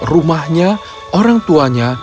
rumahnya orang tuanya